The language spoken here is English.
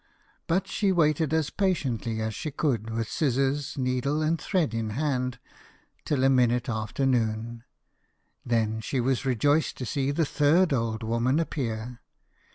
But she waited as patiently as she could with scissors, needle, and thread in hand, till a minute after noon. Then she was rejoiced to see the third old woman appear.